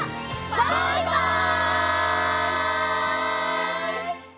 バイバイ！